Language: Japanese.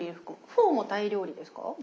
フォーもタイ料理ですか？